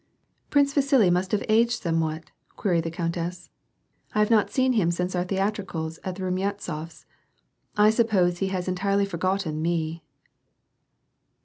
"Prince Vasili must have aged somewhat," queried the countess. " I have not seen him since our theatricals at the Rumyantsofs. I suppose he has entirely forgotten me.